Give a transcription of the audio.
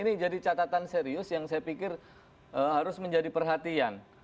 ini jadi catatan serius yang saya pikir harus menjadi perhatian